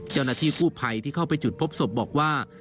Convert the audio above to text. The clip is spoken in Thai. เจ้าหน้าที่กู้ภัยที่เข้าไปจุดพบศพบอกว่า